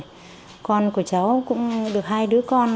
các con của cháu cũng được hai đứa con